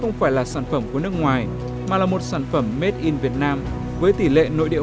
không phải là sản phẩm của nước ngoài mà là một sản phẩm made in việt nam với tỷ lệ nội địa hóa lên đến chín mươi